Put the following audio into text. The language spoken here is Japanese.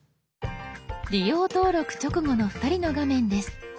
利用登録直後の２人の画面です。